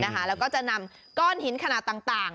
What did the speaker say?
แล้วก็จะนำก้อนหินขนาดต่าง